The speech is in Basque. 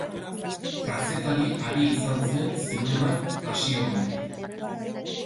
Kazetari ari izan zen zineman hasi aurretik.